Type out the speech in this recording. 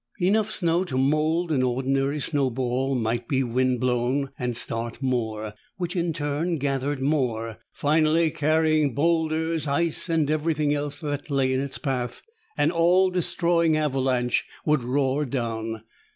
Enough snow to mold an ordinary snowball might be wind blown and start more, which in turn gathered more. Finally, carrying boulders, ice and everything else that lay in its path, an all destroying avalanche would roar down.